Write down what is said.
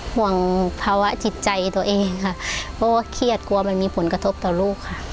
ห่วงภาวะจิตใจตัวเองค่ะเพราะว่าเครียดกลัวมันมีผลกระทบต่อลูกค่ะ